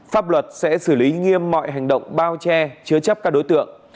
pháp luật sẽ xử lý nghiêm mọi hành động bao che chứa chấp các đối tượng